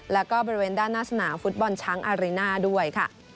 แล้วก็บริเวณด้านหน้าสนามฟุตบอลช้างอาริน่าด้วยค่ะ